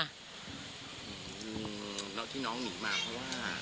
อืมแล้วที่น้องหนีมาเพราะว่า